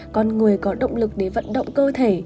con người có động lực để vận động cơ thể